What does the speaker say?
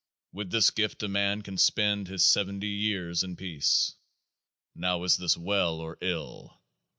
With this gift a man can spend his seventy years in peace. Now is this well or ill?